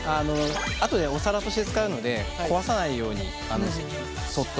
あとでお皿として使うので壊さないようにそっと。